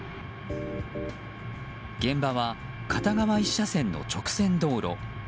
現場は片側１車線の直線道路。